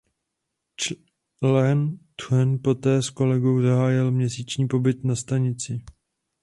Čchen Tung poté s kolegou zahájili měsíční pobyt na stanici.